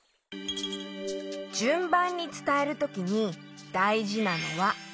じゅんばんにつたえるときにだいじなのはこれ。